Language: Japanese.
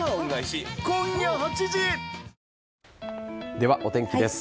では、お天気です。